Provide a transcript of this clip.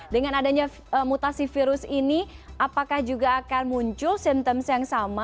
dengan adanya mutasi virus ini apakah juga akan muncul simptoms yang sama